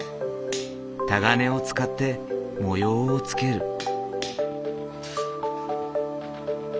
タガネを使って模様をつける。